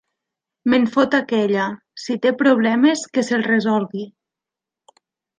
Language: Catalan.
Me'n fot, aquella: si té problemes, que se'ls resolgui!